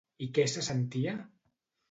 I què se sentia?